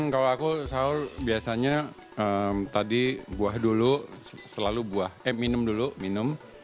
kalau aku sahur biasanya tadi buah dulu selalu buah eh minum dulu minum